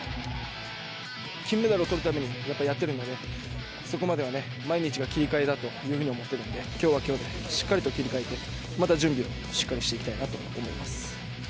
金メダルをとるために、やっぱ、やっているので、そこまではね、毎日が切り替えだというふうに思ってるんで、きょうはきょうで、しっかりと切り替えて、また準備をしっかりしていきたいなと思います。